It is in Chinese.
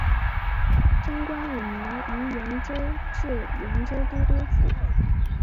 贞观五年于原州置原州都督府。